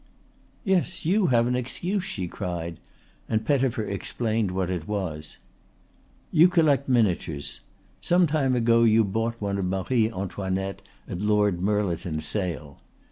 "Yes, you have an excuse," she cried, and Pettifer explained what it was. "You collect miniatures. Some time ago you bought one of Marie Antoinette at Lord Mirliton's sale.